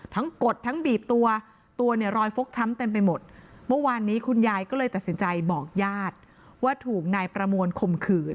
กดทั้งบีบตัวตัวเนี่ยรอยฟกช้ำเต็มไปหมดเมื่อวานนี้คุณยายก็เลยตัดสินใจบอกญาติว่าถูกนายประมวลข่มขืน